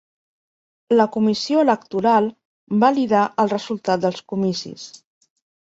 La comissió electoral validà el resultat dels comicis.